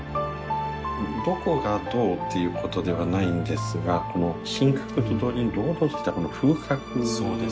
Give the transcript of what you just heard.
どこがどうっていうことではないんですがこの品格と同時に堂々としたこの風格ですよねはい。